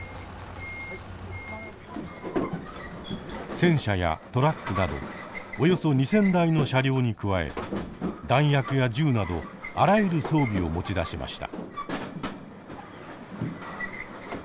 戦車やトラックなどおよそ２，０００台の車両に加え弾薬や銃などあらゆる装備を持ち出しました。